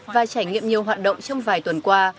và trải nghiệm nhiều hoạt động trong vài tuần qua